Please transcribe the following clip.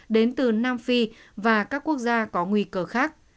đến từ nam phi và các quốc gia có nguy cơ khác